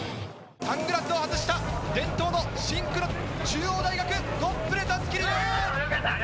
サングラスを外した、伝統の真紅の中央大学トップで襷リレー！